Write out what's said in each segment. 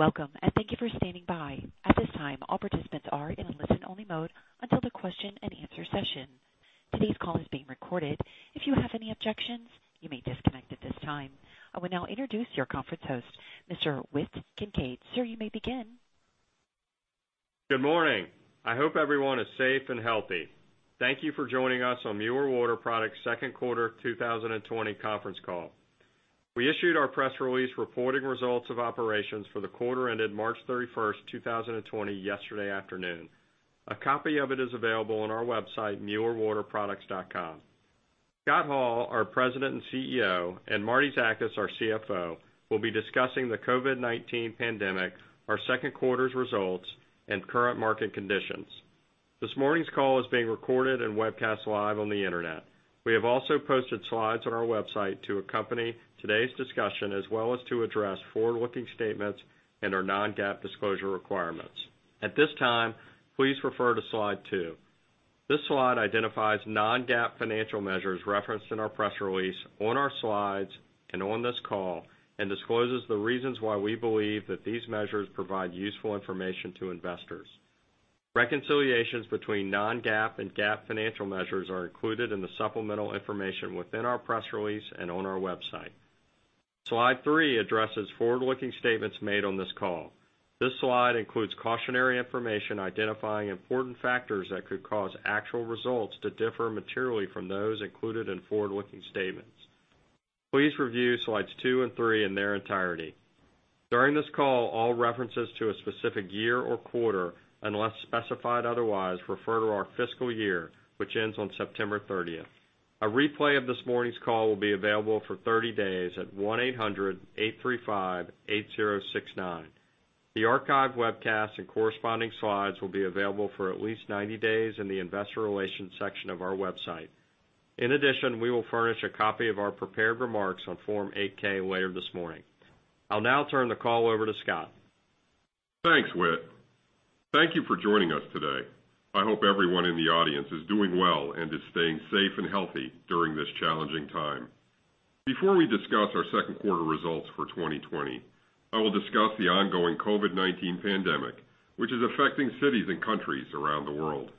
Welcome, and thank you for standing by. At this time, all participants are in a listen-only mode until the question-and-answer session. Today's call is being recorded. If you have any objections, you may disconnect at this time. I will now introduce your conference host, Mr. Whit Kincaid. Sir, you may begin. Good morning. I hope everyone is safe and healthy. Thank you for joining us on Mueller Water Products' second quarter 2020 conference call. We issued our press release reporting results of operations for the quarter ended March 31st, 2020 yesterday afternoon. A copy of it is available on our website, muellerwaterproducts.com. Scott Hall, our President and CEO, and Martie Zakas, our CFO, will be discussing the COVID-19 pandemic, our second quarter's results, and current market conditions. This morning's call is being recorded and webcast live on the Internet. We have also posted slides on our website to accompany today's discussion as well as to address forward-looking statements and our non-GAAP disclosure requirements. At this time, please refer to slide two. This slide identifies non-GAAP financial measures referenced in our press release, on our slides, and on this call, and discloses the reasons why we believe that these measures provide useful information to investors. Reconciliations between non-GAAP and GAAP financial measures are included in the supplemental information within our press release and on our website. Slide three addresses forward-looking statements made on this call. This slide includes cautionary information identifying important factors that could cause actual results to differ materially from those included in forward-looking statements. Please review Slides two and three in their entirety. During this call, all references to a specific year or quarter, unless specified otherwise, refer to our fiscal year, which ends on September 30th. A replay of this morning's call will be available for 30 days at 1-800-835-8069. The archived webcast and corresponding slides will be available for at least 90 days in the Investor Relations section of our website. In addition, we will furnish a copy of our prepared remarks on Form 8-K later this morning. I'll now turn the call over to Scott. Thanks, Whit. Thank you for joining us today. I hope everyone in the audience is doing well and is staying safe and healthy during this challenging time. Before we discuss our second quarter results for 2020, I will discuss the ongoing COVID-19 pandemic, which is affecting cities and countries around the world.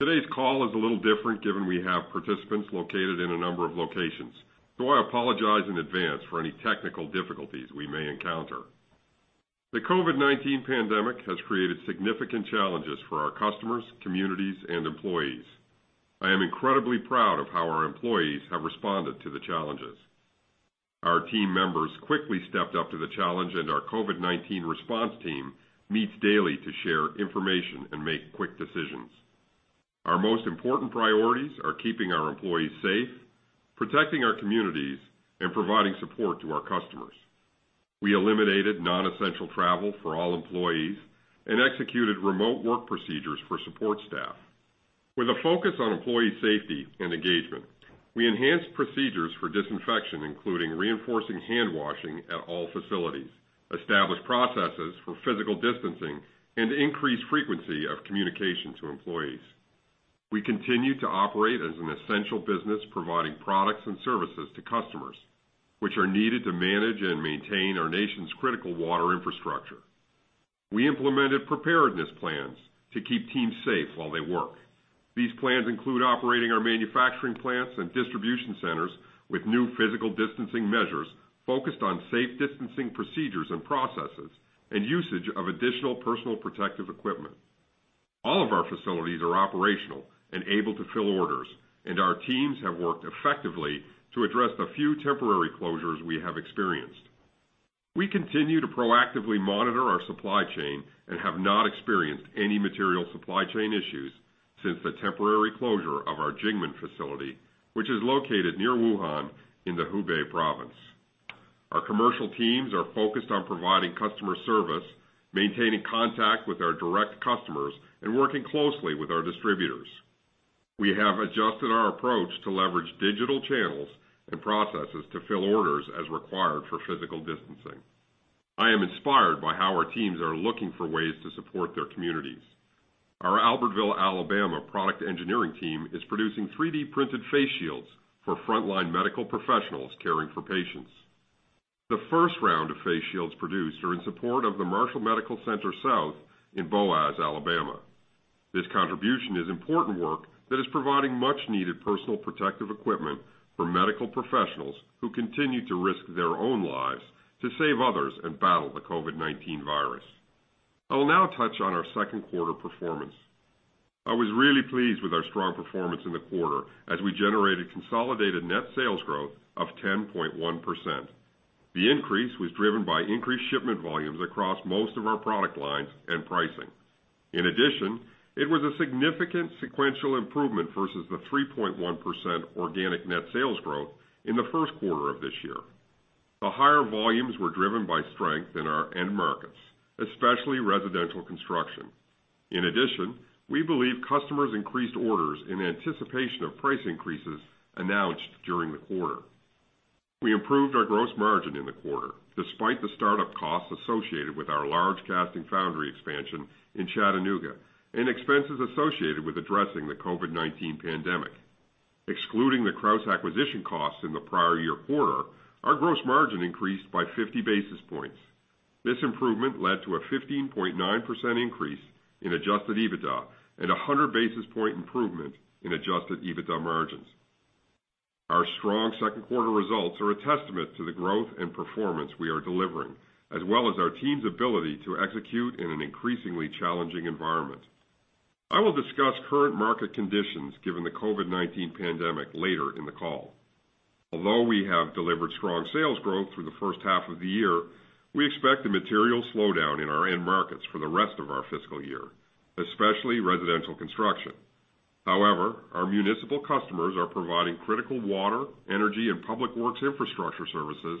Today's call is a little different given we have participants located in a number of locations. I apologize in advance for any technical difficulties we may encounter. The COVID-19 pandemic has created significant challenges for our customers, communities, and employees. I am incredibly proud of how our employees have responded to the challenges. Our team members quickly stepped up to the challenge, and our COVID-19 response team meets daily to share information and make quick decisions. Our most important priorities are keeping our employees safe, protecting our communities, and providing support to our customers. We eliminated non-essential travel for all employees and executed remote work procedures for support staff. With a focus on employee safety and engagement, we enhanced procedures for disinfection, including reinforcing handwashing at all facilities, established processes for physical distancing, and increased frequency of communication to employees. We continue to operate as an essential business providing products and services to customers, which are needed to manage and maintain our nation's critical water infrastructure. We implemented preparedness plans to keep teams safe while they work. These plans include operating our manufacturing plants and distribution centers with new physical distancing measures focused on safe distancing procedures and processes and usage of additional personal protective equipment. All of our facilities are operational and able to fill orders, and our teams have worked effectively to address the few temporary closures we have experienced. We continue to proactively monitor our supply chain and have not experienced any material supply chain issues since the temporary closure of our Jingmen facility, which is located near Wuhan in the Hubei province. Our commercial teams are focused on providing customer service, maintaining contact with our direct customers, and working closely with our distributors. We have adjusted our approach to leverage digital channels and processes to fill orders as required for physical distancing. I am inspired by how our teams are looking for ways to support their communities. Our Albertville, Alabama, product engineering team is producing 3D-printed face shields for frontline medical professionals caring for patients. The first round of face shields produced are in support of the Marshall Medical Center South in Boaz, Alabama. This contribution is important work that is providing much-needed personal protective equipment for medical professionals who continue to risk their own lives to save others and battle the COVID-19 virus. I will now touch on our second quarter performance. I was really pleased with our strong performance in the quarter as we generated consolidated net sales growth of 10.1%. The increase was driven by increased shipment volumes across most of our product lines and pricing. In addition, it was a significant sequential improvement versus the 3.1% organic net sales growth in the first quarter of this year. The higher volumes were driven by strength in our end markets, especially residential construction. In addition, we believe customers increased orders in anticipation of price increases announced during the quarter. We improved our gross margin in the quarter despite the startup costs associated with our large casting foundry expansion in Chattanooga and expenses associated with addressing the COVID-19 pandemic. Excluding the Krausz acquisition costs in the prior year quarter, our gross margin increased by 50 basis points. This improvement led to a 15.9% increase in adjusted EBITDA and 100 basis point improvement in adjusted EBITDA margins. Our strong second quarter results are a testament to the growth and performance we are delivering, as well as our team's ability to execute in an increasingly challenging environment. I will discuss current market conditions, given the COVID-19 pandemic, later in the call. We have delivered strong sales growth through the first half of the year, we expect a material slowdown in our end markets for the rest of our fiscal year, especially residential construction. Our municipal customers are providing critical water, energy, and public works infrastructure services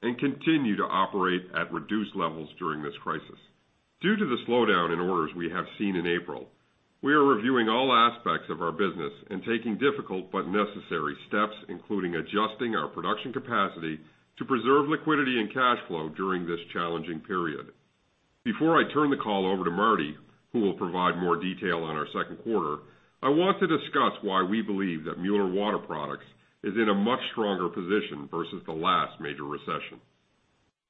and continue to operate at reduced levels during this crisis. Due to the slowdown in orders we have seen in April, we are reviewing all aspects of our business and taking difficult but necessary steps, including adjusting our production capacity to preserve liquidity and cash flow during this challenging period. Before I turn the call over to Martie, who will provide more detail on our second quarter, I want to discuss why we believe that Mueller Water Products is in a much stronger position versus the last major recession.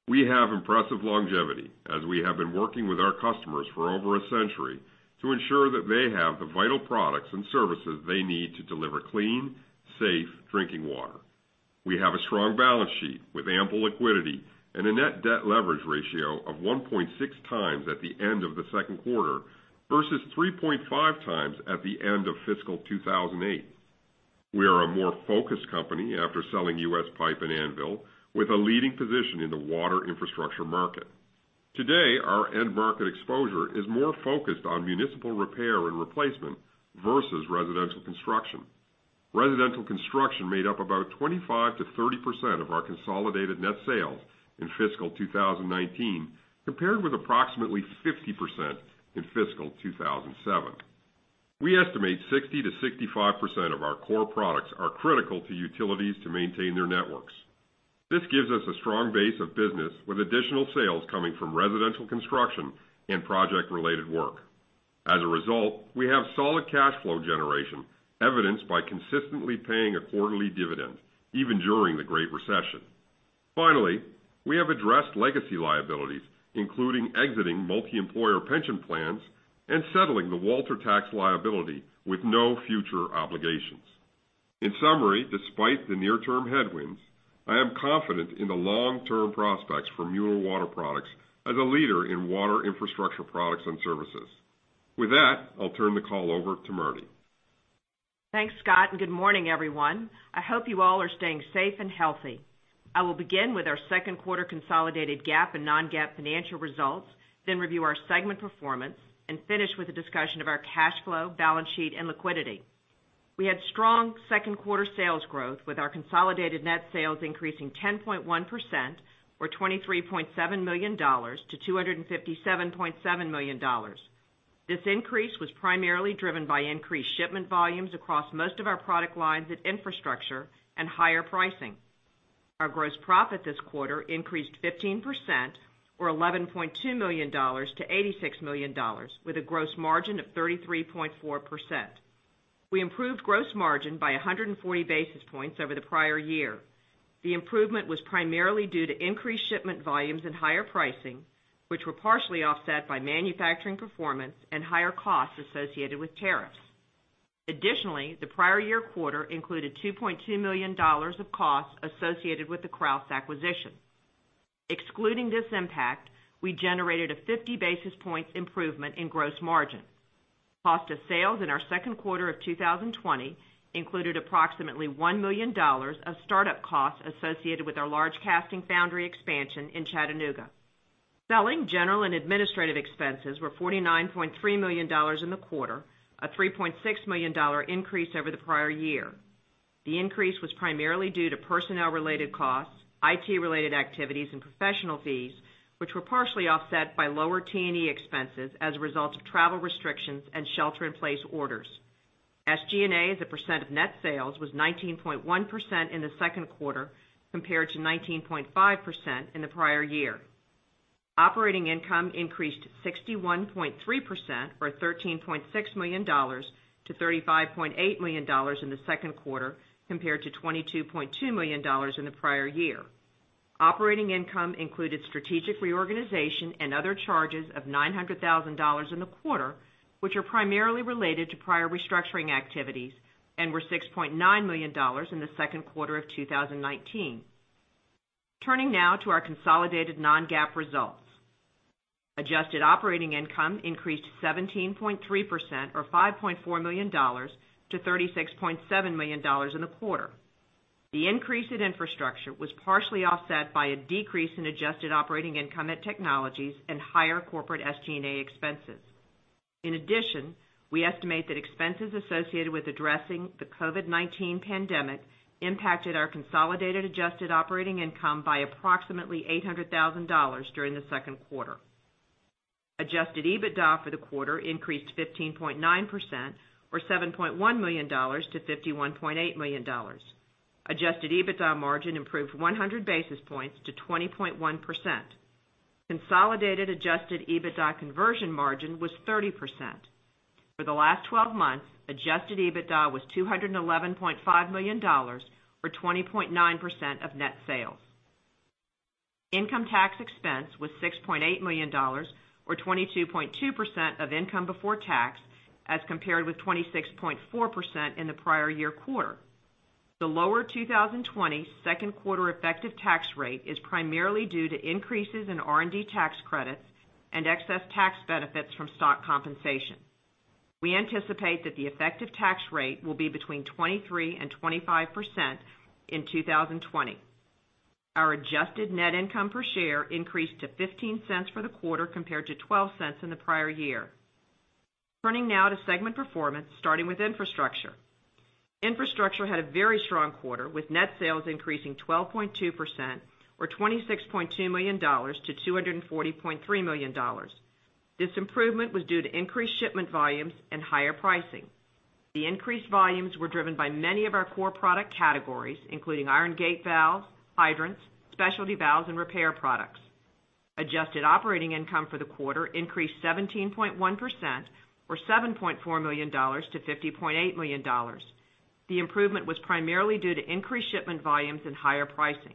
We have impressive longevity, as we have been working with our customers for over a century to ensure that they have the vital products and services they need to deliver clean, safe drinking water. We have a strong balance sheet with ample liquidity and a net debt leverage ratio of 1.6x at the end of the second quarter versus 3.5x at the end of fiscal 2008. We are a more focused company after selling U.S. Pipe and Anvil, with a leading position in the water infrastructure market. Today, our end market exposure is more focused on municipal repair and replacement versus residential construction. Residential construction made up about 25%-30% of our consolidated net sales in fiscal 2019, compared with approximately 50% in fiscal 2007. We estimate 60%-65% of our core products are critical to utilities to maintain their networks. This gives us a strong base of business with additional sales coming from residential construction and project-related work. As a result, we have solid cash flow generation, evidenced by consistently paying a quarterly dividend, even during the Great Recession. Finally, we have addressed legacy liabilities, including exiting multi-employer pension plans and settling the Walter tax liability with no future obligations. In summary, despite the near-term headwinds, I am confident in the long-term prospects for Mueller Water Products as a leader in water infrastructure, products, and services. With that, I'll turn the call over to Martie. Thanks, Scott, and good morning, everyone. I hope you all are staying safe and healthy. I will begin with our second quarter consolidated GAAP and non-GAAP financial results, then review our segment performance and finish with a discussion of our cash flow, balance sheet, and liquidity. We had strong second quarter sales growth, with our consolidated net sales increasing 10.1%, or $23.7 million to $257.7 million. This increase was primarily driven by increased shipment volumes across most of our product lines at Infrastructure and higher pricing. Our gross profit this quarter increased 15%, or $11.2 million to $86 million, with a gross margin of 33.4%. We improved gross margin by 140 basis points over the prior year. The improvement was primarily due to increased shipment volumes and higher pricing, which were partially offset by manufacturing performance and higher costs associated with tariffs. Additionally, the prior year quarter included $2.2 million of costs associated with the Krausz acquisition. Excluding this impact, we generated a 50-basis-point improvement in gross margin. Cost of sales in our second quarter of 2020 included approximately $1 million of startup costs associated with our large casting foundry expansion in Chattanooga. Selling, general, and administrative expenses were $49.3 million in the quarter, a $3.6 million increase over the prior year. The increase was primarily due to personnel-related costs, IT-related activities, and professional fees, which were partially offset by lower T&E expenses as a result of travel restrictions and shelter-in-place orders. SG&A, as a percent of net sales, was 19.1% in the second quarter, compared to 19.5% in the prior year. Operating income increased 61.3%, or $13.6 million to $35.8 million in the second quarter, compared to $22.2 million in the prior year. Operating income included strategic reorganization and other charges of $900,000 in the quarter, which are primarily related to prior restructuring activities and were $6.9 million in the second quarter of 2019. Turning now to our consolidated non-GAAP results. Adjusted operating income increased 17.3%, or $5.4 million to $36.7 million in the quarter. The increase in Infrastructure was partially offset by a decrease in adjusted operating income at Technologies and higher corporate SG&A expenses. In addition, we estimate that expenses associated with addressing the COVID-19 pandemic impacted our consolidated adjusted operating income by approximately $800,000 during the second quarter. Adjusted EBITDA for the quarter increased 15.9%, or $7.1 million to $51.8 million. Adjusted EBITDA margin improved 100 basis points to 20.1%. Consolidated adjusted EBITDA conversion margin was 30%. For the last 12 months, adjusted EBITDA was $211.5 million, or 20.9% of net sales. Income tax expense was $6.8 million, or 22.2% of income before tax, as compared with 26.4% in the prior year quarter. The lower 2020 second quarter effective tax rate is primarily due to increases in R&D tax credits and excess tax benefits from stock compensation. We anticipate that the effective tax rate will be between 23% and 25% in 2020. Our adjusted net income per share increased to $0.15 for the quarter, compared to $0.12 in the prior year. Turning now to segment performance, starting with Infrastructure. Infrastructure had a very strong quarter, with net sales increasing 12.2%, or $26.2 million to $240.3 million. This improvement was due to increased shipment volumes and higher pricing. The increased volumes were driven by many of our core product categories, including iron gate valves, hydrants, specialty valves, and repair products. Adjusted operating income for the quarter increased 17.1%, or $7.4 million to $50.8 million. The improvement was primarily due to increased shipment volumes and higher pricing.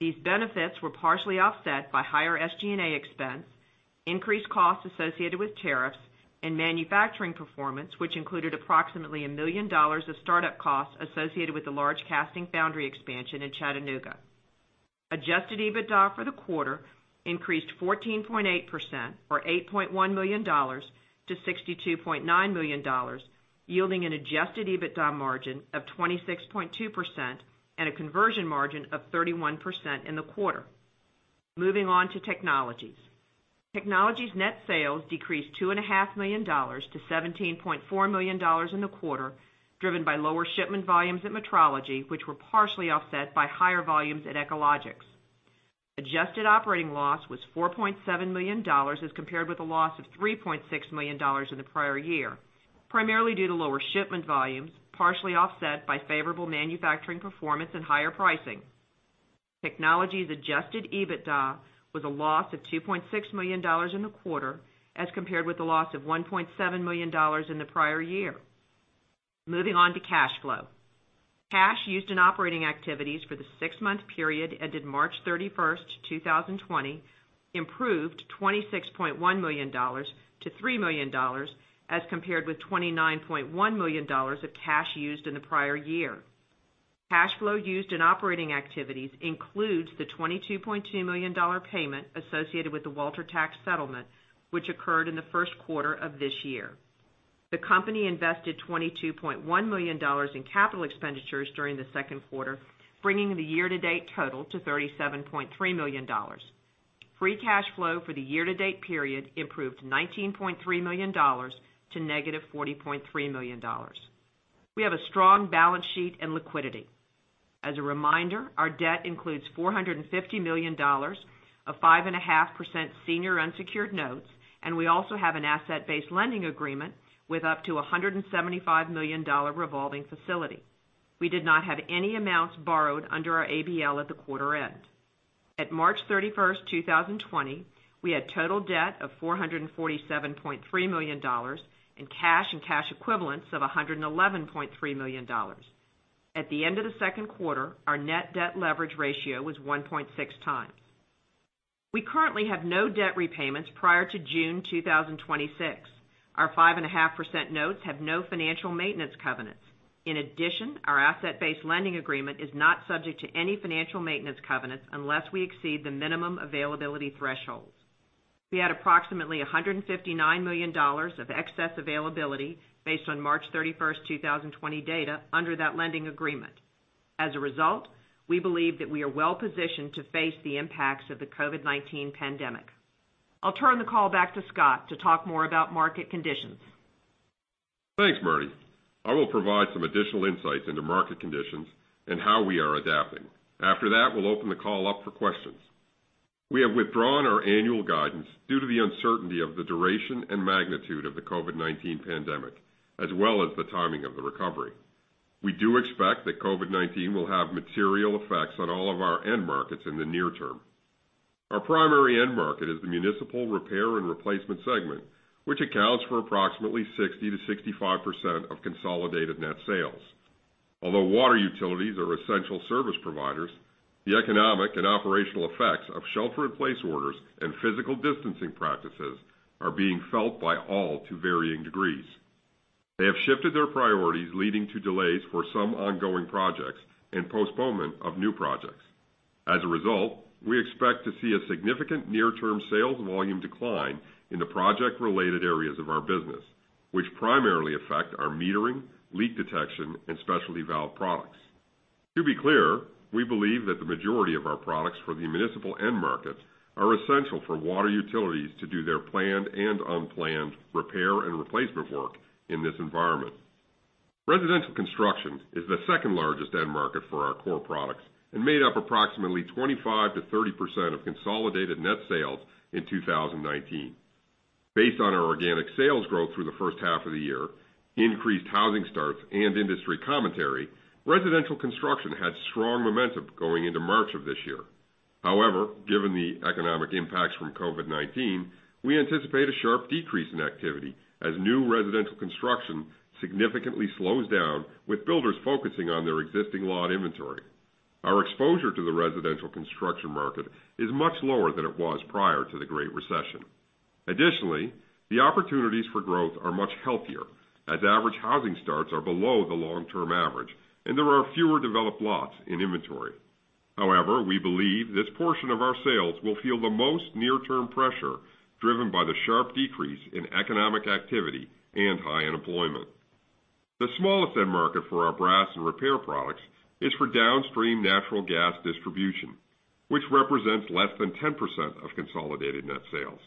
These benefits were partially offset by higher SG&A expense, increased costs associated with tariffs, and manufacturing performance, which included approximately $1 million of start-up costs associated with the large casting foundry expansion in Chattanooga. Adjusted EBITDA for the quarter increased 14.8%, or $8.1 million to $62.9 million, yielding an adjusted EBITDA margin of 26.2% and a conversion margin of 31% in the quarter. Moving on to Technologies. Technologies net sales decreased $2.5 million to $17.4 million in the quarter, driven by lower shipment volumes at Metrology, which were partially offset by higher volumes at Echologics. Adjusted operating loss was $4.7 million, as compared with a loss of $3.6 million in the prior year, primarily due to lower shipment volumes, partially offset by favorable manufacturing performance and higher pricing. Technologies adjusted EBITDA was a loss of $2.6 million in the quarter, as compared with a loss of $1.7 million in the prior year. Moving on to cash flow. Cash used in operating activities for the six-month period ended March 31, 2020, improved $26.1 million to $3 million, as compared with $29.1 million of cash used in the prior year. Cash flow used in operating activities includes the $22.2 million payment associated with the Walter tax settlement, which occurred in the first quarter of this year. The company invested $22.1 million in capital expenditures during the second quarter, bringing the year-to-date total to $37.3 million. Free cash flow for the year-to-date period improved $19.3 million to negative $40.3 million. We have a strong balance sheet and liquidity. As a reminder, our debt includes $450 million of 5.5% senior unsecured notes, and we also have an asset-based lending agreement with up to $175 million revolving facility. We did not have any amounts borrowed under our ABL at the quarter end. At March 31st, 2020, we had total debt of $447.3 million, and cash and cash equivalents of $111.3 million. At the end of the second quarter, our net debt leverage ratio was 1.6x. We currently have no debt repayments prior to June 2026. Our 5.5% notes have no financial maintenance covenants. In addition, our asset-based lending agreement is not subject to any financial maintenance covenants unless we exceed the minimum availability thresholds. We had approximately $159 million of excess availability based on March 31st, 2020 data under that lending agreement. As a result, we believe that we are well-positioned to face the impacts of the COVID-19 pandemic. I'll turn the call back to Scott to talk more about market conditions. Thanks, Martie. I will provide some additional insights into market conditions and how we are adapting. After that, we'll open the call up for questions. We have withdrawn our annual guidance due to the uncertainty of the duration and magnitude of the COVID-19 pandemic, as well as the timing of the recovery. We do expect that COVID-19 will have material effects on all of our end markets in the near term. Our primary end market is the municipal repair and replacement segment, which accounts for approximately 60%-65% of consolidated net sales. Although water utilities are essential service providers, the economic and operational effects of shelter in place orders and physical distancing practices are being felt by all to varying degrees. They have shifted their priorities, leading to delays for some ongoing projects and postponement of new projects. As a result, we expect to see a significant near-term sales volume decline in the project-related areas of our business, which primarily affect our metering, leak detection, and specialty valve products. To be clear, we believe that the majority of our products for the municipal end markets are essential for water utilities to do their planned and unplanned repair and replacement work in this environment. Residential construction is the second largest end market for our core products and made up approximately 25%-30% of consolidated net sales in 2019. Based on our organic sales growth through the first half of the year, increased housing starts, and industry commentary, residential construction had strong momentum going into March of this year. However, given the economic impacts from COVID-19, we anticipate a sharp decrease in activity as new residential construction significantly slows down with builders focusing on their existing lot inventory. Our exposure to the residential construction market is much lower than it was prior to the Great Recession. The opportunities for growth are much healthier as average housing starts are below the long-term average, and there are fewer developed lots in inventory. We believe this portion of our sales will feel the most near-term pressure driven by the sharp decrease in economic activity and high unemployment. The smallest end market for our brass and repair products is for downstream natural gas distribution, which represents less than 10% of consolidated net sales.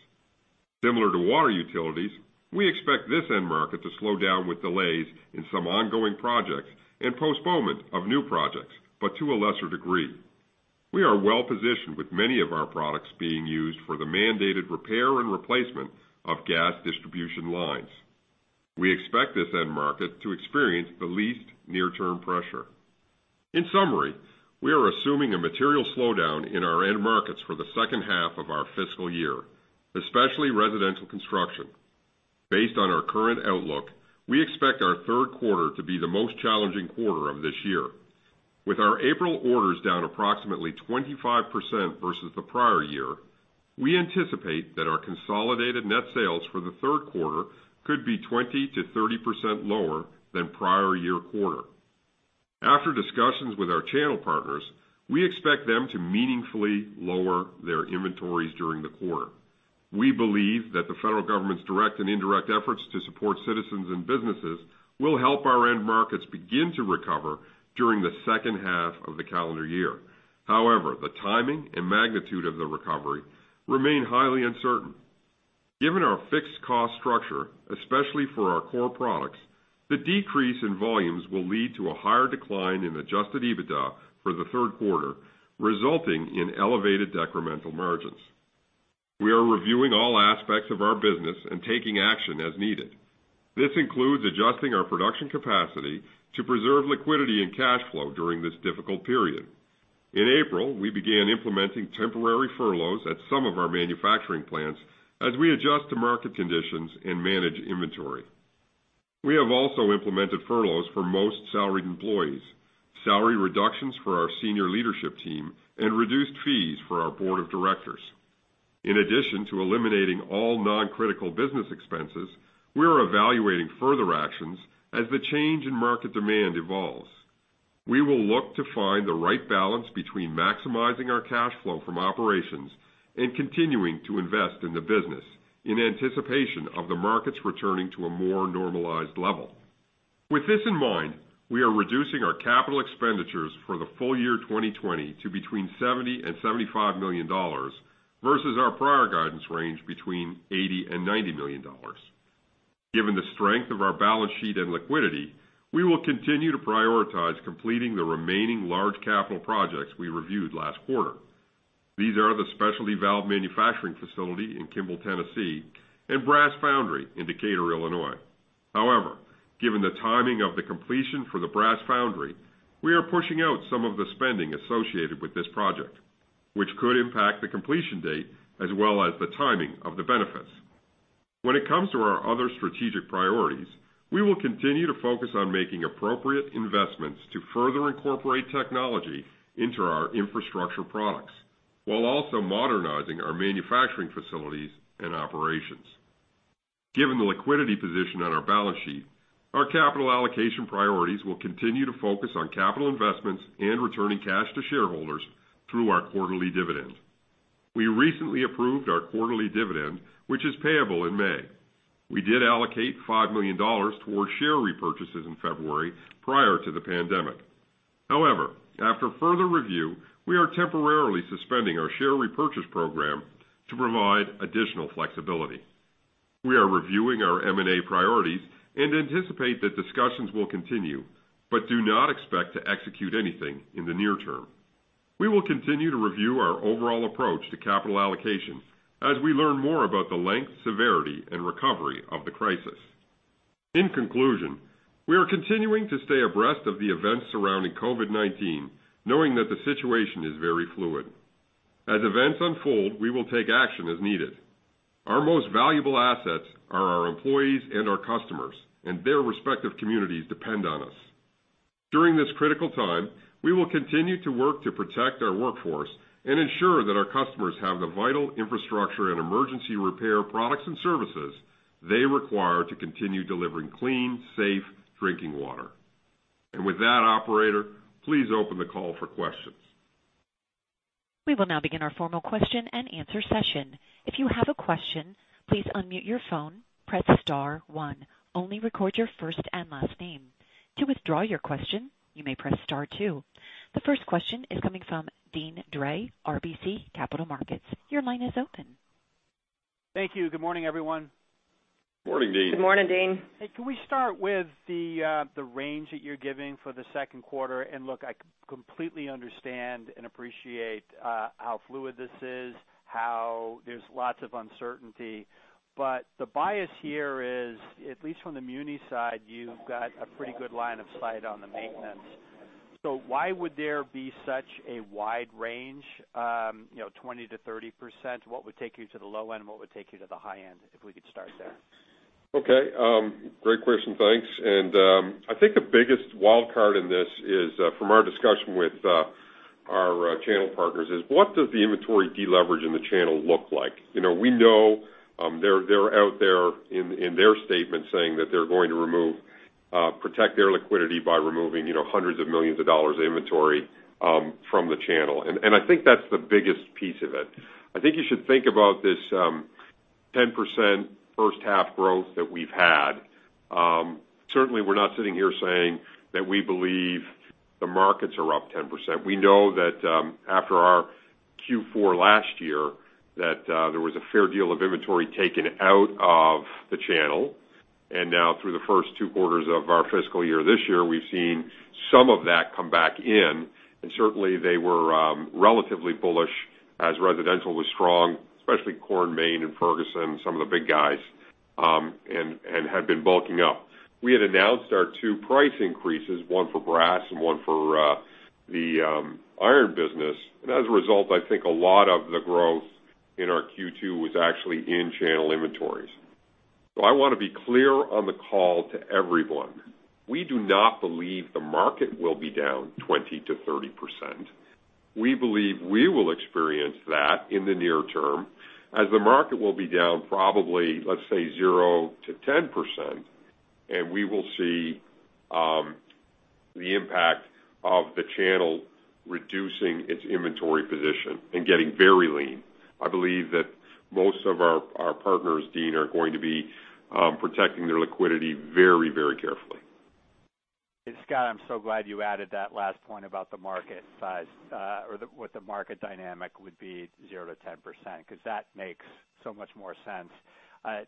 Similar to water utilities, we expect this end market to slow down with delays in some ongoing projects and postponement of new projects, but to a lesser degree. We are well-positioned, with many of our products being used for the mandated repair and replacement of gas distribution lines. We expect this end market to experience the least near-term pressure. In summary, we are assuming a material slowdown in our end markets for the second half of our fiscal year, especially residential construction. Based on our current outlook, we expect our third quarter to be the most challenging quarter of this year. With our April orders down approximately 25% versus the prior year, we anticipate that our consolidated net sales for the third quarter could be 20%-30% lower than prior year quarter. After discussions with our channel partners, we expect them to meaningfully lower their inventories during the quarter. We believe that the federal government's direct and indirect efforts to support citizens and businesses will help our end markets begin to recover during the second half of the calendar year. However, the timing and magnitude of the recovery remain highly uncertain. Given our fixed cost structure, especially for our core products, the decrease in volumes will lead to a higher decline in adjusted EBITDA for the third quarter, resulting in elevated decremental margins. We are reviewing all aspects of our business and taking action as needed. This includes adjusting our production capacity to preserve liquidity and cash flow during this difficult period. In April, we began implementing temporary furloughs at some of our manufacturing plants as we adjust to market conditions and manage inventory. We have also implemented furloughs for most salaried employees, salary reductions for our senior leadership team, and reduced fees for our board of directors. In addition to eliminating all non-critical business expenses, we are evaluating further actions as the change in market demand evolves. We will look to find the right balance between maximizing our cash flow from operations and continuing to invest in the business in anticipation of the markets returning to a more normalized level. With this in mind, we are reducing our capital expenditures for the full year 2020 to between $70 million and $75 million versus our prior guidance range between $80 million and $90 million. Given the strength of our balance sheet and liquidity, we will continue to prioritize completing the remaining large capital projects we reviewed last quarter. These are the specialty valve manufacturing facility in Kimball, Tennessee, and brass foundry in Decatur, Illinois. Given the timing of the completion for the brass foundry, we are pushing out some of the spending associated with this project, which could impact the completion date as well as the timing of the benefits. When it comes to our other strategic priorities, we will continue to focus on making appropriate investments to further incorporate technology into our infrastructure products, while also modernizing our manufacturing facilities and operations. Given the liquidity position on our balance sheet, our capital allocation priorities will continue to focus on capital investments and returning cash to shareholders through our quarterly dividend. We recently approved our quarterly dividend, which is payable in May. We did allocate $5 million towards share repurchases in February prior to the pandemic. After further review, we are temporarily suspending our share repurchase program to provide additional flexibility. We are reviewing our M&A priorities and anticipate that discussions will continue, but do not expect to execute anything in the near term. We will continue to review our overall approach to capital allocation as we learn more about the length, severity, and recovery of the crisis. In conclusion, we are continuing to stay abreast of the events surrounding COVID-19, knowing that the situation is very fluid. As events unfold, we will take action as needed. Our most valuable assets are our employees and our customers, and their respective communities depend on us. During this critical time, we will continue to work to protect our workforce and ensure that our customers have the vital infrastructure and emergency repair products and services they require to continue delivering clean, safe drinking water. With that, operator, please open the call for questions. We will now begin our formal question-and-answer session. If you have a question, please unmute your phone, press star one. Only record your first and last name. To withdraw your question, you may press star two. The first question is coming from Deane Dray, RBC Capital Markets. Your line is open. Thank you. Good morning, everyone. Morning, Deane. Good morning, Deane. Hey, can we start with the range that you're giving for the second quarter? Look, I completely understand and appreciate how fluid this is, how there's lots of uncertainty, but the bias here is, at least from the muni side, you've got a pretty good line of sight on the maintenance. Why would there be such a wide range, 20%-30%? What would take you to the low end and what would take you to the high end? If we could start there. Okay. Great question, thanks. I think the biggest wildcard in this is from our discussion with our channel partners is, what does the inventory de-leverage in the channel look like? We know they're out there in their statements saying that they're going to protect their liquidity by removing $hundreds of millions of inventory from the channel. I think that's the biggest piece of it. I think you should think about this 10% first half growth that we've had. Certainly, we're not sitting here saying that we believe the markets are up 10%. We know that after our Q4 last year, that there was a fair deal of inventory taken out of the channel. Now through the first two quarters of our fiscal year this year, we've seen some of that come back in. Certainly they were relatively bullish as residential was strong, especially Core & Main and Ferguson, some of the big guys, and had been bulking up. We had announced our two price increases, one for brass and one for the iron business. As a result, I think a lot of the growth in our Q2 was actually in channel inventories. I want to be clear on the call to everyone, we do not believe the market will be down 20%-30%. We believe we will experience that in the near term, as the market will be down probably, let's say, 0%-10%, and we will see the impact of the channel reducing its inventory position and getting very lean. I believe that most of our partners, Deane, are going to be protecting their liquidity very carefully. Scott, I'm so glad you added that last point about the market size, or what the market dynamic would be 0% to 10%, because that makes so much more sense.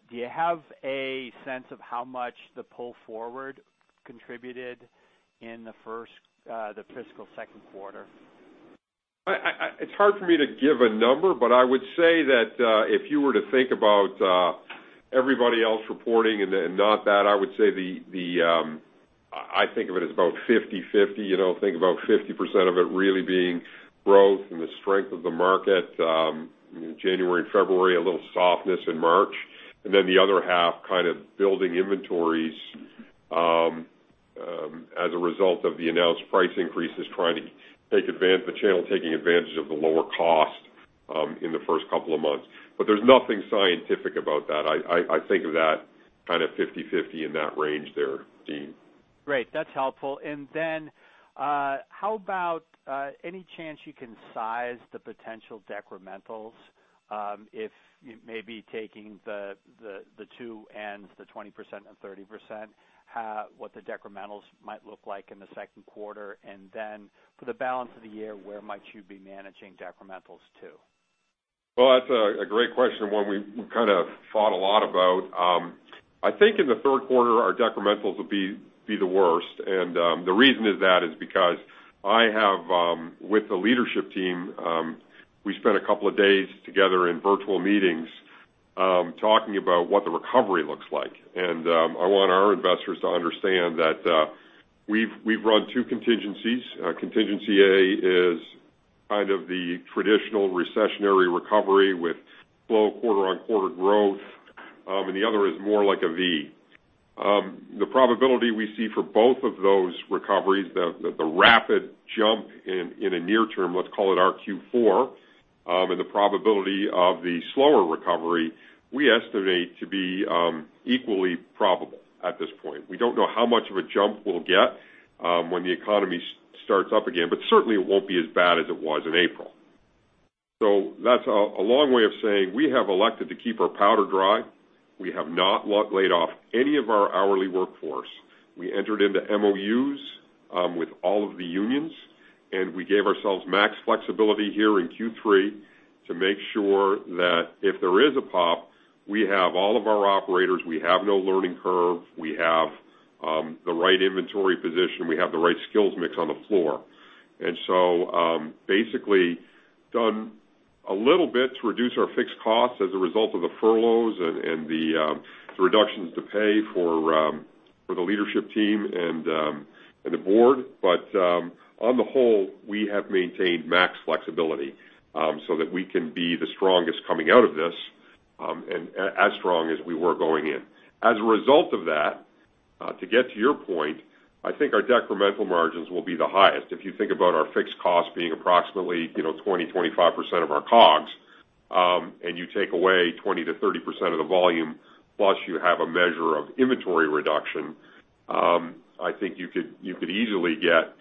Do you have a sense of how much the pull forward contributed in the fiscal second quarter? It's hard for me to give a number, but I would say that if you were to think about everybody else reporting and not that, I would say, I think of it as about 50/50. Think about 50% of it really being growth and the strength of the market, January and February, a little softness in March. The other half kind of building inventories as a result of the announced price increases, the channel taking advantage of the lower cost in the first couple of months. There's nothing scientific about that. I think of that kind of 50/50 in that range there, Deane. Great. That's helpful. How about any chance you can size the potential decrementals if maybe taking the two ends, the 20% and 30%, what the decrementals might look like in the second quarter? For the balance of the year, where might you be managing decrementals to? Well, that's a great question, one we kind of thought a lot about. I think in the third quarter, our decrementals will be the worst, and the reason is that is because I have with the leadership team, we spent a couple of days together in virtual meetings talking about what the recovery looks like. I want our investors to understand that we've run two contingencies. Contingency A is kind of the traditional recessionary recovery with slow quarter-on-quarter growth, and the other is more like a V. The probability we see for both of those recoveries, the rapid jump in a near term, let's call it our Q4, and the probability of the slower recovery, we estimate to be equally probable at this point. We don't know how much of a jump we'll get when the economy starts up again, but certainly it won't be as bad as it was in April. That's a long way of saying we have elected to keep our powder dry. We have not laid off any of our hourly workforce. We entered into MOUs with all of the unions, and we gave ourselves max flexibility here in Q3 to make sure that if there is a pop, we have all of our operators, we have no learning curve, we have the right inventory position, we have the right skills mix on the floor. Basically done a little bit to reduce our fixed costs as a result of the furloughs and the reductions to pay for the leadership team and the board. On the whole, we have maintained max flexibility so that we can be the strongest coming out of this and as strong as we were going in. As a result of that, to get to your point, I think our decremental margins will be the highest. If you think about our fixed cost being approximately 20%-25% of our COGS, and you take away 20%-30% of the volume, plus you have a measure of inventory reduction, I think you could easily get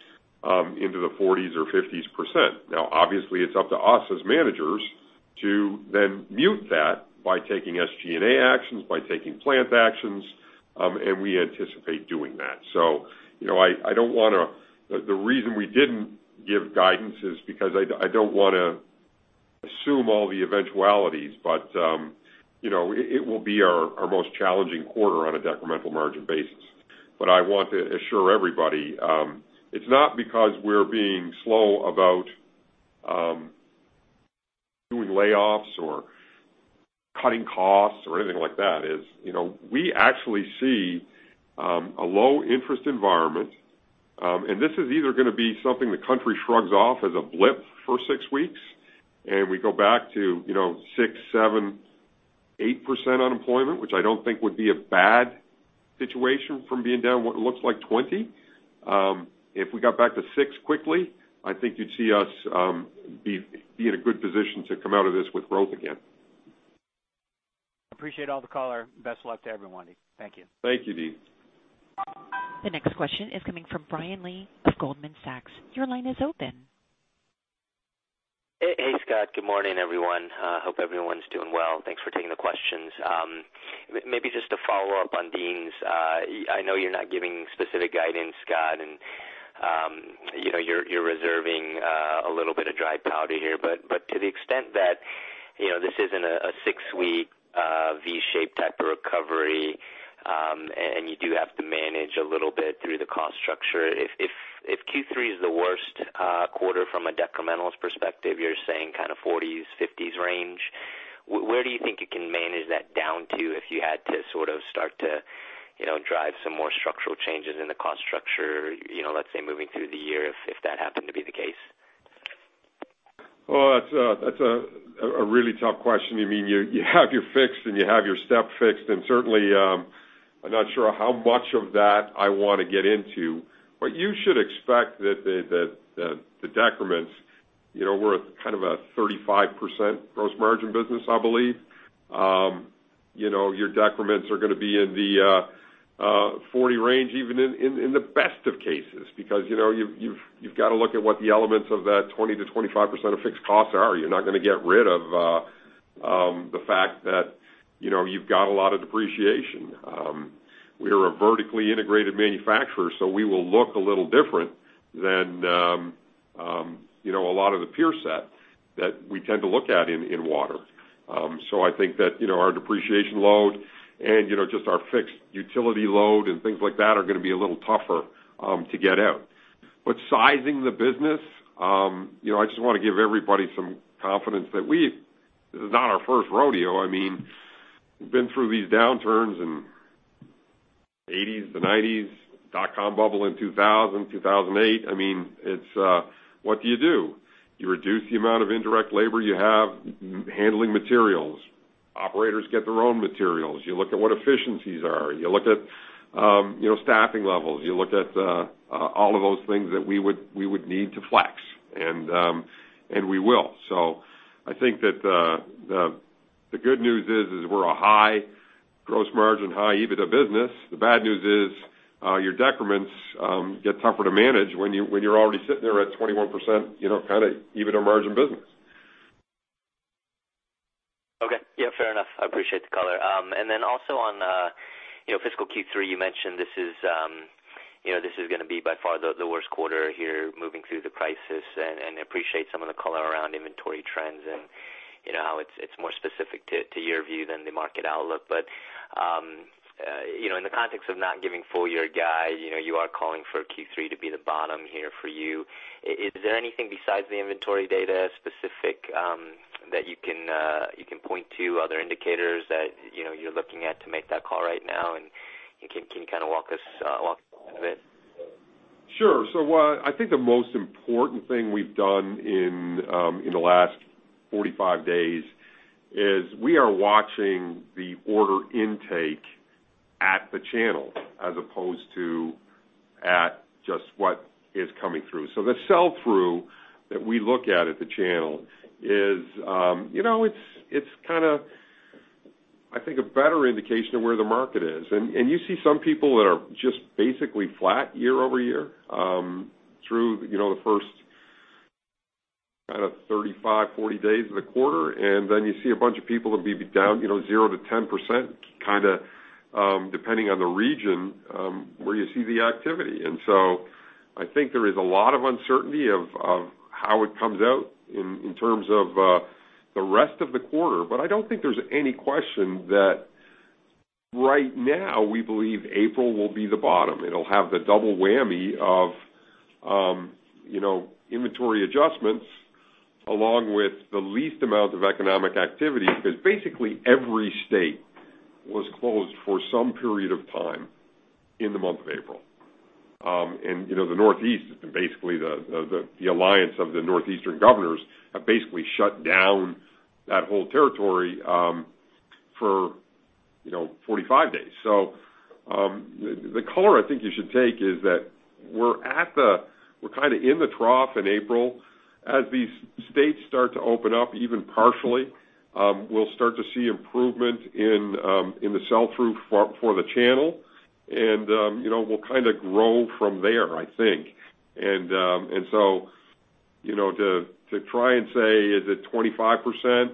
into the 40s% or 50s%. Obviously it's up to us as managers to then mute that by taking SG&A actions, by taking plant actions, and we anticipate doing that. The reason we didn't give guidance is because I don't want to assume all the eventualities, but it will be our most challenging quarter on a decremental margin basis. I want to assure everybody, it's not because we're being slow about doing layoffs or cutting costs or anything like that. We actually see a low interest environment. This is either going to be something the country shrugs off as a blip for six weeks. We go back to 6%, 7%, 8% unemployment, which I don't think would be a bad situation from being down what looks like 20%. If we got back to six quickly, I think you'd see us be in a good position to come out of this with growth again. Appreciate all the color. Best of luck to everyone. Thank you. Thank you, Deane. The next question is coming from Brian Lee of Goldman Sachs. Your line is open. Hey, Scott. Good morning, everyone. Hope everyone's doing well. Thanks for taking the questions. Maybe just to follow up on Deane's, I know you're not giving specific guidance, Scott, and you're reserving a little bit of dry powder here, but to the extent that this isn't a six-week V-shaped type of recovery, and you do have to manage a little bit through the cost structure. If Q3 is the worst quarter from a decrementalist perspective, you're saying kind of 40s, 50s range, where do you think you can manage that down to if you had to sort of start to drive some more structural changes in the cost structure, let's say, moving through the year, if that happened to be the case? Well, that's a really tough question. You have your fixed and you have your step fixed, and certainly, I'm not sure how much of that I want to get into. You should expect that the decrements, we're at kind of a 35% gross margin business, I believe. Your decrements are going to be in the 40 range, even in the best of cases, because you've got to look at what the elements of that 20%-25% of fixed costs are. You're not going to get rid of the fact that you've got a lot of depreciation. We are a vertically integrated manufacturer, we will look a little different than a lot of the peer set that we tend to look at in water. I think that our depreciation load and just our fixed utility load and things like that are going to be a little tougher to get out. Sizing the business, I just want to give everybody some confidence that this is not our first rodeo. We've been through these downturns in '80s and '90s, dot com bubble in 2000, 2008. What do you do? You reduce the amount of indirect labor you have handling materials. Operators get their own materials. You look at what efficiencies are. You look at staffing levels. You look at all of those things that we would need to flex, and we will. I think that the good news is we're a high gross margin, high EBITDA business. The bad news is, your decrements get tougher to manage when you're already sitting there at 21%, kind of EBITDA margin business. Okay. Yeah, fair enough. I appreciate the color. Then also on fiscal Q3, you mentioned this is going to be by far the worst quarter here moving through the crisis, and I appreciate some of the color around inventory trends and how it's more specific to your view than the market outlook. But in the context of not giving full year guide, you are calling for Q3 to be the bottom here for you. Is there anything besides the inventory data specific that you can point to, other indicators that you're looking at to make that call right now, and can you kind of walk us through a bit? Sure. I think the most important thing we've done in the last 45 days is we are watching the order intake at the channel as opposed to at just what is coming through. The sell-through that we look at the channel is I think a better indication of where the market is. You see some people that are just basically flat year-over-year through the first kind of 35, 40 days of the quarter, and then you see a bunch of people that'd be down 0%-10% kind of depending on the region where you see the activity. I think there is a lot of uncertainty of how it comes out in terms of the rest of the quarter. I don't think there's any question that right now, we believe April will be the bottom. It'll have the double whammy of inventory adjustments, along with the least amount of economic activity, because basically every state was closed for some period of time in the month of April. The Northeast and basically the alliance of the Northeastern governors have basically shut down that whole territory for 45 days. The color I think you should take is that we're kind of in the trough in April. As these states start to open up even partially, we'll start to see improvement in the sell-through for the channel, and we'll kind of grow from there, I think. To try and say, is it 25%?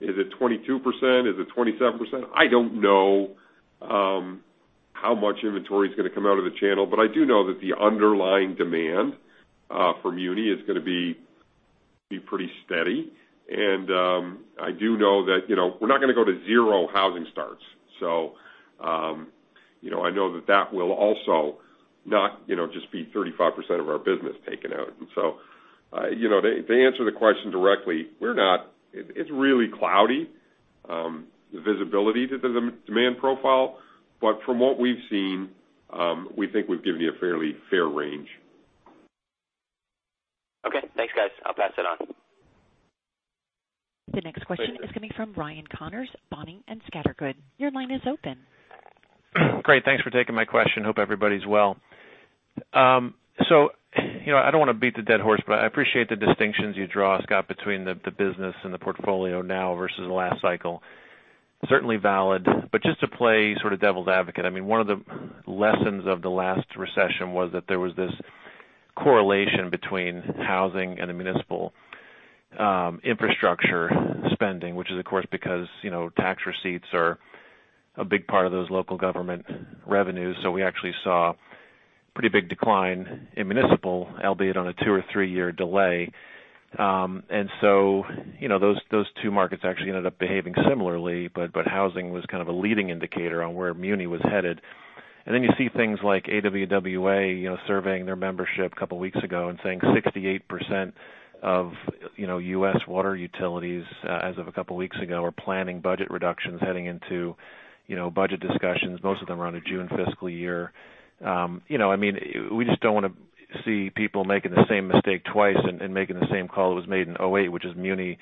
Is it 22%? Is it 27%? I don't know how much inventory is going to come out of the channel. I do know that the underlying demand for muni is going to be pretty steady. I do know that we're not going to go to zero housing starts. I know that will also not just be 35% of our business taken out. To answer the question directly, it's really cloudy, the visibility to the demand profile. From what we've seen, we think we've given you a fairly fair range. Okay, thanks, guys. I'll pass it on. The next question is coming from Ryan Connors, Boenning & Scattergood. Your line is open. Great, thanks for taking my question. Hope everybody's well. I don't want to beat the dead horse, but I appreciate the distinctions you draw, Scott, between the business and the portfolio now versus the last cycle. Certainly valid. Just to play sort of devil's advocate, one of the lessons of the last recession was that there was this correlation between housing and the municipal infrastructure spending, which is, of course, because tax receipts are a big part of those local government revenues. We actually saw a pretty big decline in municipal, albeit on a two or three-year delay. Those two markets actually ended up behaving similarly, but housing was kind of a leading indicator on where muni was headed. You see things like AWWA surveying their membership a couple of weeks ago and saying 68% of U.S. water utilities, as of a couple of weeks ago, are planning budget reductions heading into budget discussions, most of them are on a June fiscal year. We just don't want to see people making the same mistake twice and making the same call that was made in 2008, which is muni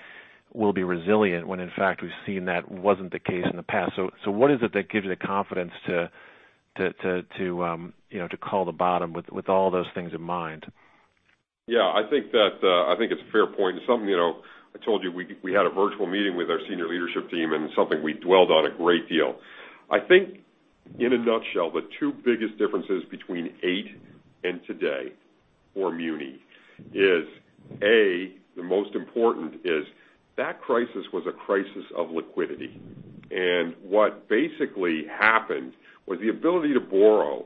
will be resilient, when in fact we've seen that wasn't the case in the past. What is it that gives you the confidence to call the bottom with all those things in mind? Yeah, I think it's a fair point and something I told you, we had a virtual meeting with our senior leadership team, and something we dwelled on a great deal. I think, in a nutshell, the two biggest differences between 2008 and today for munis is, A, the most important is that crisis was a crisis of liquidity. What basically happened was the ability to borrow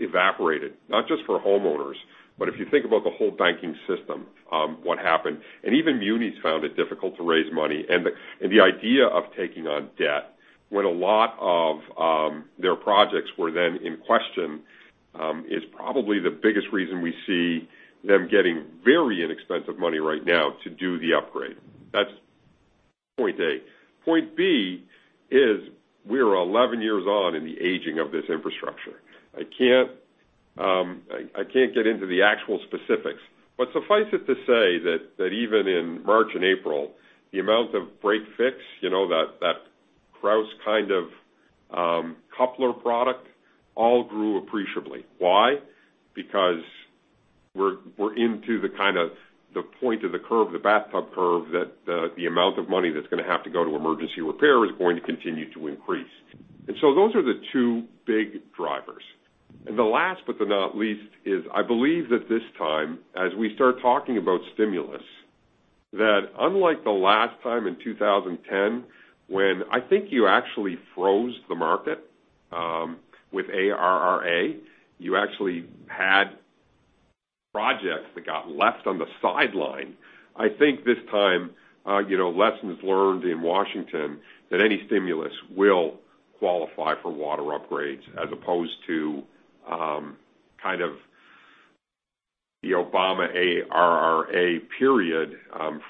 evaporated, not just for homeowners, but if you think about the whole banking system what happened, and even munis found it difficult to raise money. The idea of taking on debt when a lot of their projects were then in question, is probably the biggest reason we see them getting very inexpensive money right now to do the upgrade. That's point A. Point B is we are 11 years on in the aging of this Infrastructure. I can't get into the actual specifics, but suffice it to say that even in March and April, the amount of break fix, that Krausz kind of coupler product, all grew appreciably. Why? Because we're into the kind of the point of the curve, the bathtub curve, that the amount of money that's going to have to go to emergency repair is going to continue to increase. Those are the two big drivers. The last, but not least, is I believe that this time, as we start talking about stimulus, that unlike the last time in 2010, when I think you actually froze the market with ARRA, you actually had projects that got left on the sideline. I think this time, lessons learned in Washington that any stimulus will qualify for water upgrades as opposed to kind of the Obama ARRA period,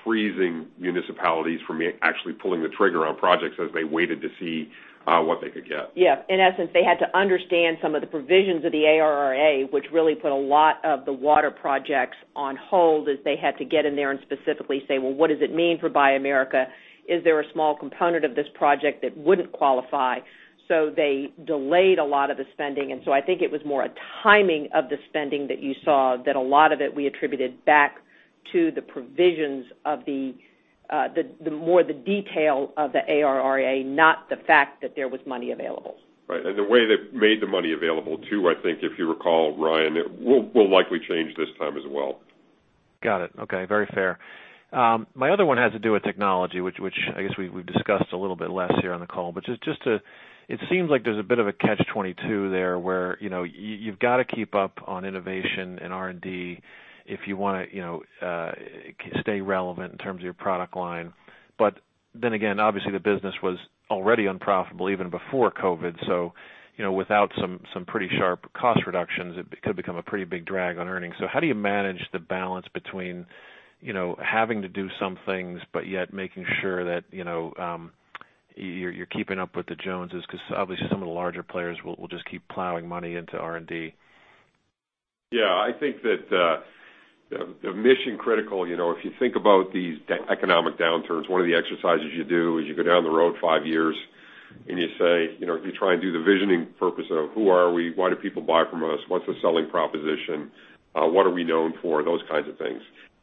freezing municipalities from actually pulling the trigger on projects as they waited to see what they could get. In essence, they had to understand some of the provisions of the ARRA, which really put a lot of the water projects on hold as they had to get in there and specifically say, "Well, what does it mean for Buy America? Is there a small component of this project that wouldn't qualify?" They delayed a lot of the spending. I think it was more a timing of the spending that you saw that a lot of it we attributed back to the provisions of the more the detail of the ARRA, not the fact that there was money available. Right. The way they made the money available too, I think, if you recall, Ryan, will likely change this time as well. Got it. Okay. Very fair. My other one has to do with technology, which I guess we've discussed a little bit less here on the call. It seems like there's a bit of a catch-22 there where you've got to keep up on innovation and R&D if you want to stay relevant in terms of your product line. Then again, obviously, the business was already unprofitable even before COVID. Without some pretty sharp cost reductions, it could become a pretty big drag on earnings. How do you manage the balance between having to do some things, but yet making sure that you're keeping up with the Joneses? Because obviously, some of the larger players will just keep plowing money into R&D. Yeah, I think that mission critical, if you think about these economic downturns, one of the exercises you do is you go down the road five years and you try and do the visioning purpose of who are we, why do people buy from us, what's the selling proposition, what are we known for, those kinds of things.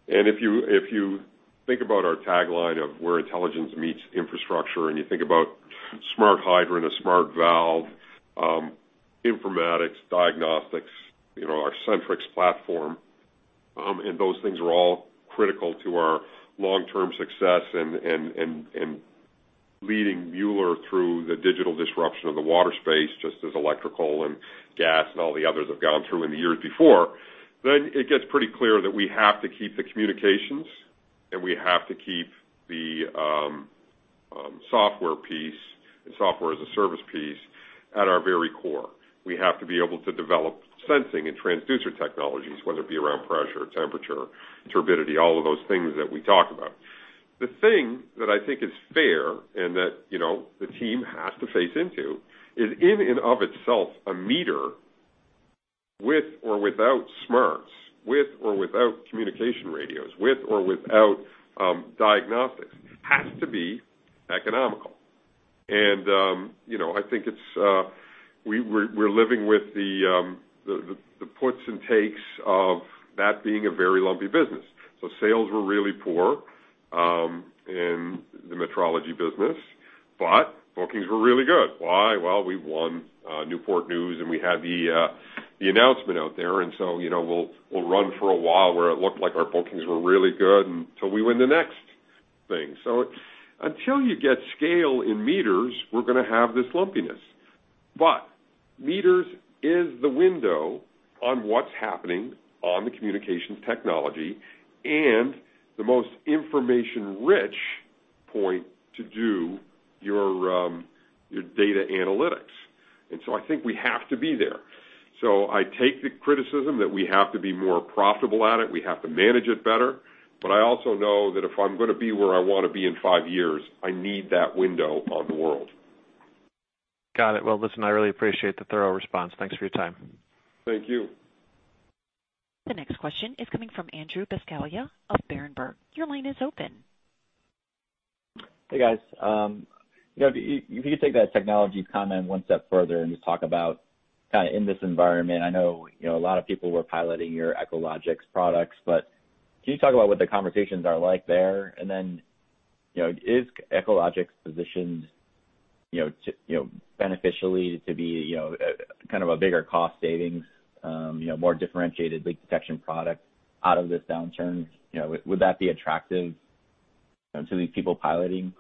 If you think about our tagline of "Where intelligence meets infrastructure," and you think about Smart hydrant, a smart valve, informatics, diagnostics, our Sentryx platform, and those things are all critical to our long-term success and leading Mueller through the digital disruption of the water space, just as electrical and gas and all the others have gone through in the years before. It gets pretty clear that we have to keep the communications, and we have to keep the software piece and software as a service piece at our very core. We have to be able to develop sensing and transducer technologies, whether it be around pressure, temperature, turbidity, all of those things that we talk about. The thing that I think is fair and that the team has to face into is in and of itself, a meter with or without smarts, with or without communication radios, with or without diagnostics, has to be economical. I think we're living with the puts and takes of that being a very lumpy business. Sales were really poor in the Metrology business, but bookings were really good. Why? We won Newport News, and we had the announcement out there, and so, we'll run for a while where it looked like our bookings were really good until we win the next thing. Until you get scale in meters, we're going to have this lumpiness. Meters is the window on what's happening on the communications technology and the most information-rich point to do your data analytics. I think we have to be there. I take the criticism that we have to be more profitable at it. We have to manage it better. I also know that if I'm going to be where I want to be in five years, I need that window on the world. Got it. Well, listen, I really appreciate the thorough response. Thanks for your time. Thank you. The next question is coming from Andrew Buscaglia of Berenberg. Your line is open. Hey, guys. If you could take that technology comment one step further and just talk about in this environment, I know a lot of people were piloting your Echologics products, but can you talk about what the conversations are like there? Is Echologics positioned beneficially to be kind of a bigger cost savings, more differentiated leak detection product out of this downturn? Would that be attractive to these people piloting?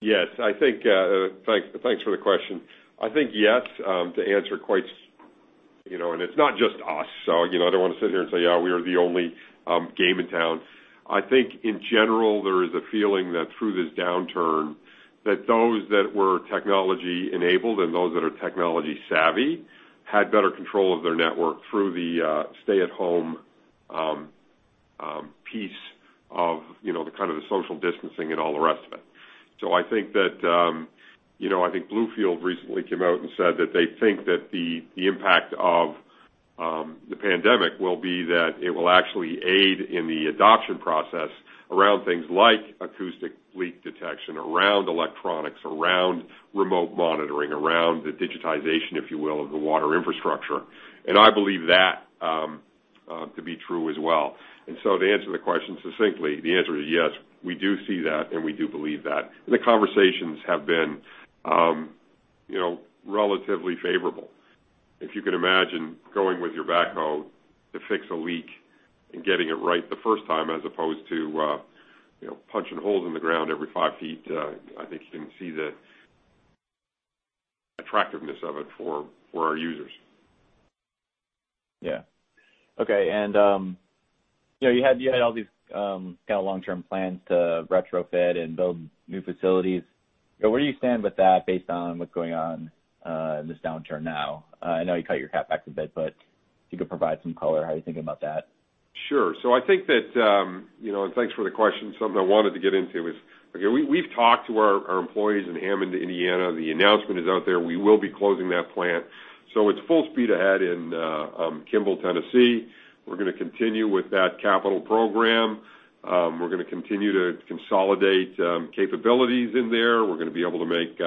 Yes. Thanks for the question. I think yes, to answer, and it's not just us. I don't want to sit here and say, we are the only game in town. I think in general, there is a feeling that through this downturn, that those that were technology-enabled and those that are technology-savvy had better control of their network through the stay-at-home piece of the social distancing and all the rest of it. I think Bluefield recently came out and said that they think that the impact of the pandemic will be that it will actually aid in the adoption process around things like acoustic leak detection, around electronics, around remote monitoring, around the digitization, if you will, of the water infrastructure. I believe that to be true as well. To answer the question succinctly, the answer is yes, we do see that, and we do believe that. The conversations have been relatively favorable. If you could imagine going with your backhoe to fix a leak and getting it right the first time, as opposed to punching holes in the ground every five feet, I think you can see the attractiveness of it for our users. Yeah. Okay. You had all these long-term plans to retrofit and build new facilities. Where do you stand with that based on what's going on in this downturn now? I know you cut your CapEx a bit, but if you could provide some color, how are you thinking about that? Sure. I think that, and thanks for the question. Something I wanted to get into is, we've talked to our employees in Hammond, Indiana. The announcement is out there. We will be closing that plant. It's full speed ahead in Kimball, Tennessee. We're going to continue with that capital program. We're going to continue to consolidate capabilities in there. We're going to be able to make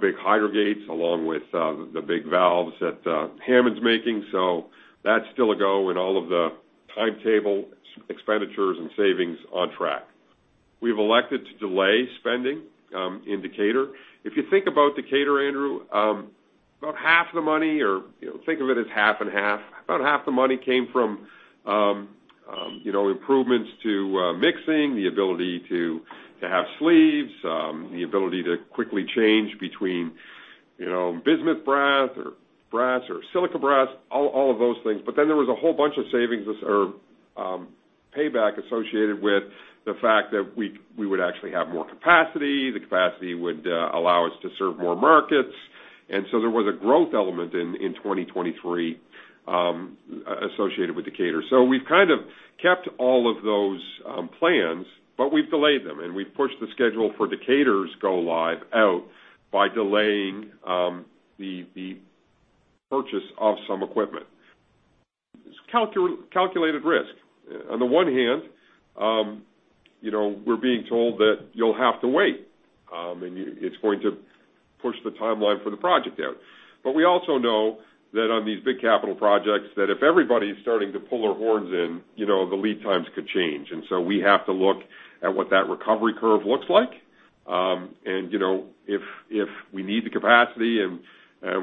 big hydro gates along with the big valves that Hammond's making. That's still a go and all of the timetable expenditures and savings on track. We've elected to delay spending in Decatur. If you think about Decatur, Andrew, about half the money, or think of it as half and half, about half the money came from improvements to mixing, the ability to have sleeves, the ability to quickly change between bismuth brass or brass or silicon brass, all of those things. There was a whole bunch of savings or payback associated with the fact that we would actually have more capacity. The capacity would allow us to serve more markets. There was a growth element in 2023 associated with Decatur. We've kind of kept all of those plans, but we've delayed them, and we've pushed the schedule for Decatur's go-live out by delaying the purchase of some equipment. It's calculated risk. On the one hand, we're being told that you'll have to wait, and it's going to push the timeline for the project out. We also know that on these big capital projects, that if everybody's starting to pull their horns in, the lead times could change. We have to look at what that recovery curve looks like. If we need the capacity and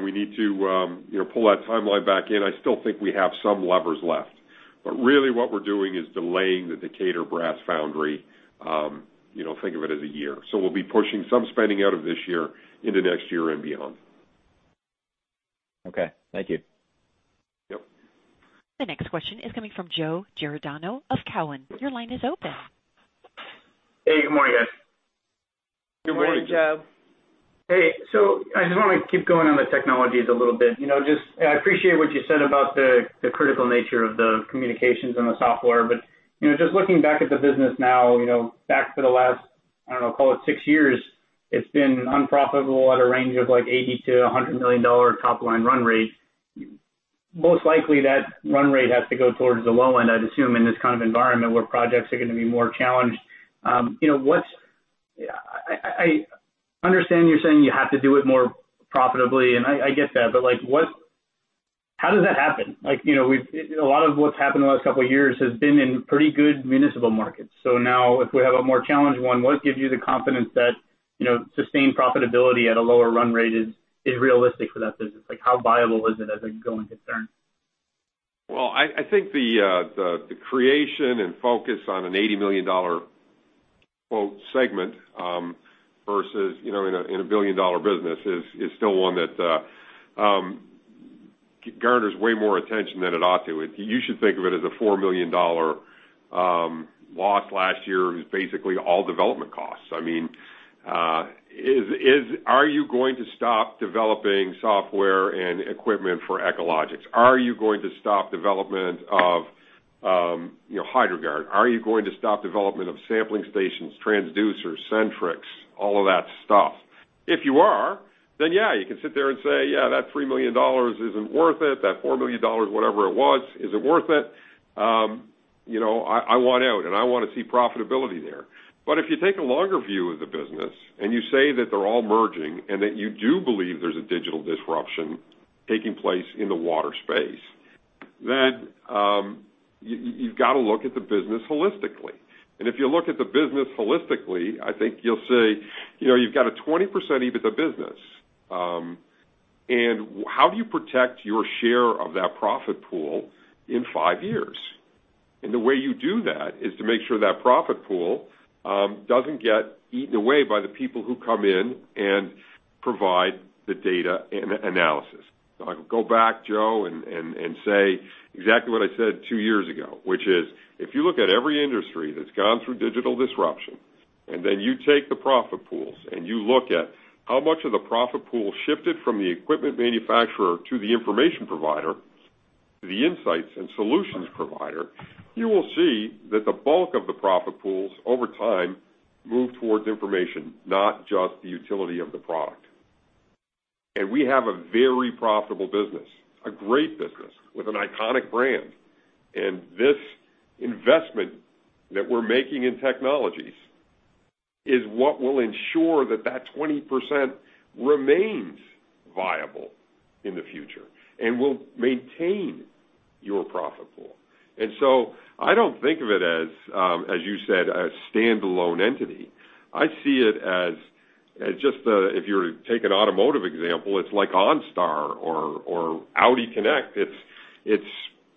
we need to pull that timeline back in, I still think we have some levers left. Really, what we're doing is delaying the Decatur brass foundry, think of it as a year. We'll be pushing some spending out of this year into next year and beyond. Okay. Thank you. Yep. The next question is coming from Joe Giordano of Cowen. Your line is open. Hey, good morning, guys. Good morning. Good morning, Joe. Hey. I just want to keep going on the Technologies a little bit. I appreciate what you said about the critical nature of the communications and the software, but just looking back at the business now, back to the last, I don't know, call it six years, it's been unprofitable at a range of $80 million-$100 million top-line run rate. Most likely, that run rate has to go towards the low end, I'd assume, in this kind of environment where projects are going to be more challenged. I understand you're saying you have to do it more profitably, and I get that, but how does that happen? A lot of what's happened in the last couple of years has been in pretty good municipal markets. If we have a more challenged one, what gives you the confidence that sustained profitability at a lower run rate is realistic for that business? How viable is it as a going concern? Well, I think the creation and focus on an $80 million segment versus in a billion-dollar business is still one that garners way more attention than it ought. You should think of it as a $4 million loss last year was basically all development costs. Are you going to stop developing software and equipment for Echologics? Are you going to stop development of Hydro-Guard? Are you going to stop development of sampling stations, transducers, Sentryx, all of that stuff? If you are, then yeah, you can sit there and say, "Yeah, that $3 million isn't worth it. That $4 million, whatever it was, is it worth it? I want out and I want to see profitability there. If you take a longer view of the business and you say that they're all merging and that you do believe there's a digital disruption taking place in the water space, then you've got to look at the business holistically. If you look at the business holistically, I think you'll see you've got a 20% EBITDA business. How do you protect your share of that profit pool in five years? The way you do that is to make sure that profit pool doesn't get eaten away by the people who come in and provide the data and analysis. I can go back, Joe, and say exactly what I said two years ago, which is, if you look at every industry that's gone through digital disruption, and then you take the profit pools and you look at how much of the profit pool shifted from the equipment manufacturer to the information provider, to the insights and solutions provider, you will see that the bulk of the profit pools over time move towards information, not just the utility of the product. We have a very profitable business, a great business with an iconic brand. This investment that we're making in Technologies is what will ensure that that 20% remains viable in the future and will maintain your profit pool. I don't think of it as you said, a standalone entity. I see it as just if you were to take an automotive example, it's like OnStar or Audi connect. It's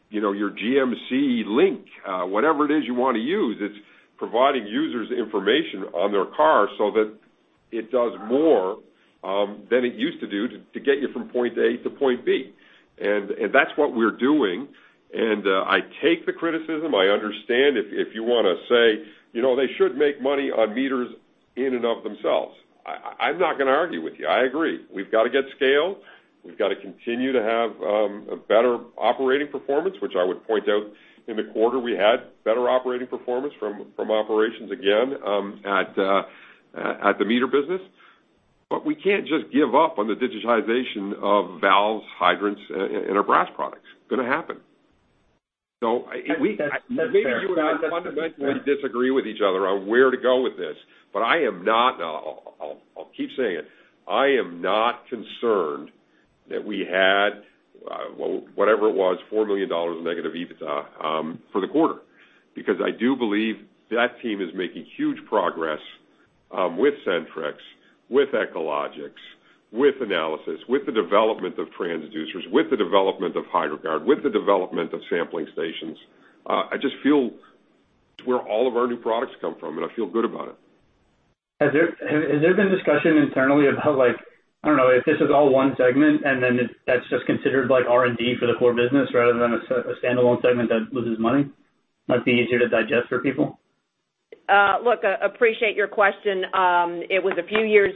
your GMC Link. Whatever it is you want to use, it's providing users information on their car so that it does more than it used to do to get you from point A to point B. That's what we're doing. I take the criticism. I understand if you want to say, "They should make money on meters in and of themselves." I'm not going to argue with you. I agree. We've got to get scale. We've got to continue to have a better operating performance, which I would point out in the quarter, we had better operating performance from operations, again, at the meter business. We can't just give up on the digitization of valves, hydrants, and our brass products. Going to happen. That's fair. Maybe you and I fundamentally disagree with each other on where to go with this, but I'll keep saying it, I am not concerned that we had, whatever it was, $4 million of negative EBITDA for the quarter. Because I do believe that team is making huge progress with Sentryx, with Echologics, with analysis, with the development of transducers, with the development of Hydro-Guard, with the development of sampling stations. I just feel it's where all of our new products come from, and I feel good about it. Has there been discussion internally about, I don't know, if this is all one segment and then that's just considered R&D for the core business rather than a standalone segment that loses money? Might be easier to digest for people. Look, appreciate your question. It was a few years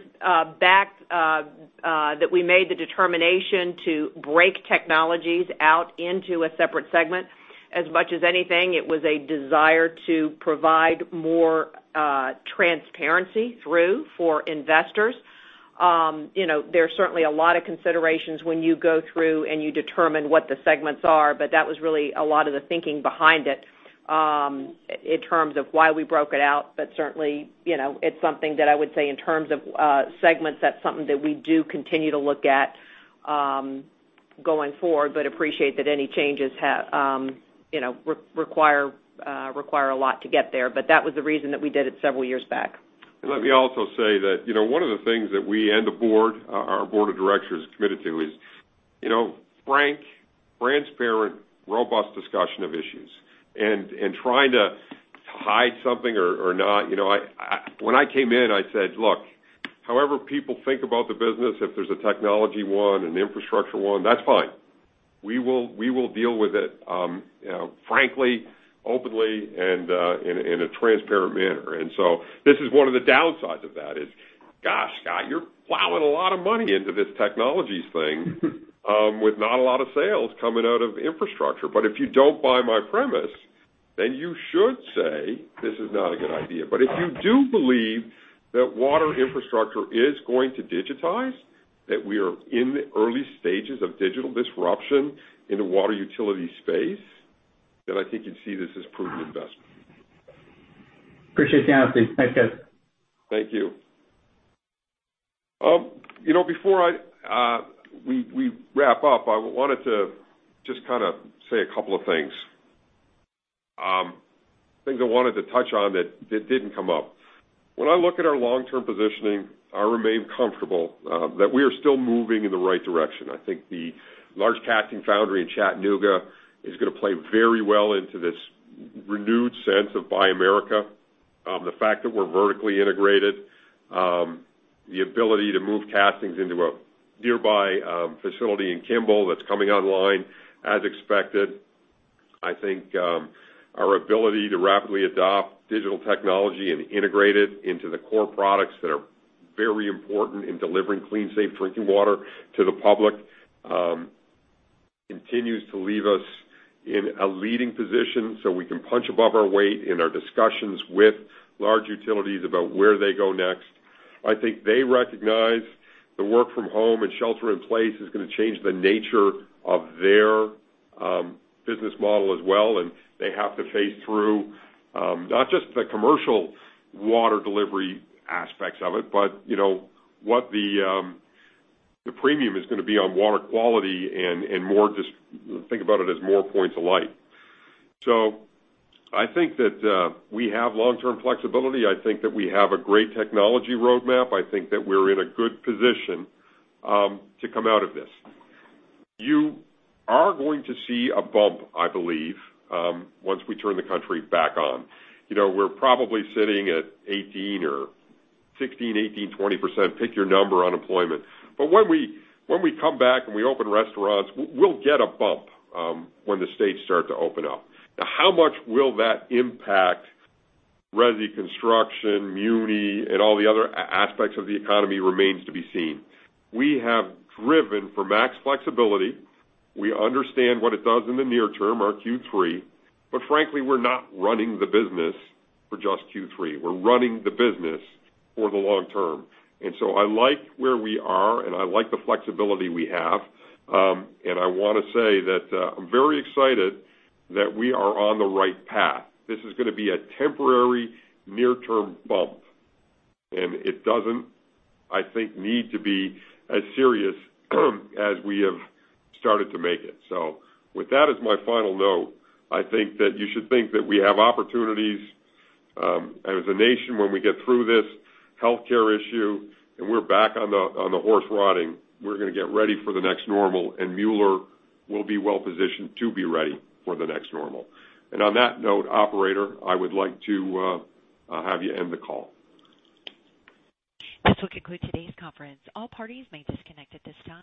back that we made the determination to break Technologies out into a separate segment. As much as anything, it was a desire to provide more transparency through for investors. There's certainly a lot of considerations when you go through and you determine what the segments are, but that was really a lot of the thinking behind it. In terms of why we broke it out, certainly, it's something that I would say in terms of segments, that's something that we do continue to look at going forward. Appreciate that any changes require a lot to get there. That was the reason that we did it several years back. Let me also say that one of the things that we and our board of directors is committed to is frank, transparent, robust discussion of issues and trying to hide something or not. When I came in, I said, "Look, however people think about the business, if there's a Technologies one, an Infrastructure one, that's fine. We will deal with it frankly, openly, and in a transparent manner." This is one of the downsides of that is, gosh, Scott, you're plowing a lot of money into this Technologies thing with not a lot of sales coming out of Infrastructure. If you don't buy my premise, then you should say this is not a good idea. If you do believe that water infrastructure is going to digitize, that we are in the early stages of digital disruption in the water utility space, then I think you'd see this as proven investment. Appreciate the honesty. Thanks, guys. Thank you. Before we wrap up, I wanted to just say a couple of things. Things I wanted to touch on that didn't come up. When I look at our long-term positioning, I remain comfortable that we are still moving in the right direction. I think the large casting foundry in Chattanooga is going to play very well into this renewed sense of Buy America. The fact that we're vertically integrated, the ability to move castings into a nearby facility in Kimball that's coming online as expected. I think our ability to rapidly adopt digital technology and integrate it into the core products that are very important in delivering clean, safe drinking water to the public continues to leave us in a leading position so we can punch above our weight in our discussions with large utilities about where they go next. I think they recognize the work from home and shelter in place is going to change the nature of their business model as well, and they have to phase through, not just the commercial water delivery aspects of it, but what the premium is going to be on water quality and think about it as more points of light. I think that we have long-term flexibility. I think that we have a great technology roadmap. I think that we're in a good position to come out of this. You are going to see a bump, I believe, once we turn the country back on. We're probably sitting at 18 or 16%, 18%, 20%, pick your number, unemployment. When we come back and we open restaurants, we'll get a bump when the states start to open up. How much will that impact resi construction, muni, and all the other aspects of the economy remains to be seen. We have driven for max flexibility. We understand what it does in the near term, our Q3. Frankly, we're not running the business for just Q3. We're running the business for the long term. I like where we are, and I like the flexibility we have. I want to say that I'm very excited that we are on the right path. This is going to be a temporary near-term bump, and it doesn't, I think, need to be as serious as we have started to make it. With that as my final note, I think that you should think that we have opportunities as a nation when we get through this healthcare issue and we're back on the horse riding, we're going to get ready for the next normal, and Mueller will be well-positioned to be ready for the next normal. On that note, operator, I would like to have you end the call. This will conclude today's conference. All parties may disconnect at this time.